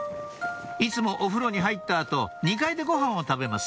いつもお風呂に入った後２階でごはんを食べます